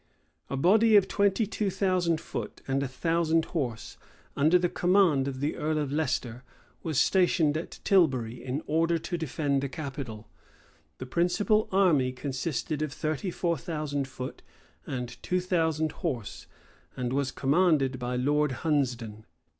A body of twenty two thousand foot and a thousand horse, under the command of the earl of Leicester, was stationed at Tilbury in order to defend the capital. The principal army consisted of thirty four thousand foot and two thousand horse, and was commanded by Lord Hunsdon.